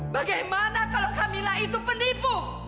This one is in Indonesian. bagaimana kalau camillah itu penipu